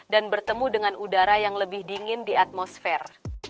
dan bertemu dengan udara yang lebih dingin di atmosfer